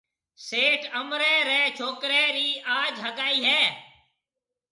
سيٺ امريَ ريَ ڇوڪريَ رِي آج هگائي هيَ۔